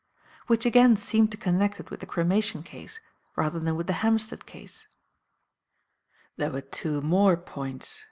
Which again seemed to connect it with the cremation case rather than with the Hampstead case. "There were two more points.